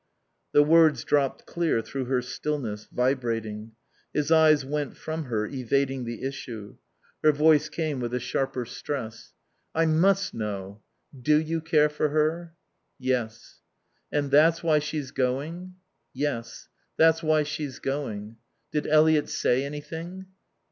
The words dropped clear through her stillness, vibrating. His eyes went from her, evading the issue. Her voice came with a sharper stress. "I must know. Do you care for her?" "Yes." "And that's why she's going?" "Yes. That's why she's going. Did Eliot say anything?"